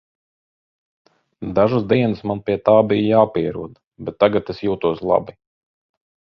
Dažas dienas man pie tā bija jāpierod, bet tagad es jūtos labi.